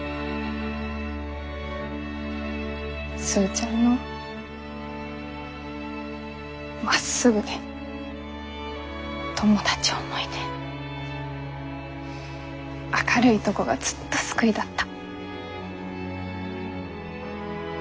スーちゃんのまっすぐで友達思いで明るいとこがずっと救いだった。